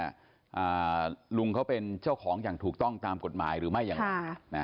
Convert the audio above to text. อ่าลุงเขาเป็นเจ้าของอย่างถูกต้องตามกฎหมายหรือไม่อย่างไรนะ